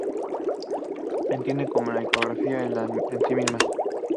The series was produced in secret over three years.